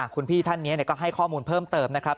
คุณพี่ท่านนี้ก็ให้ข้อมูลเพิ่มเติมนะครับ